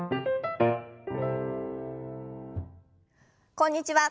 こんにちは。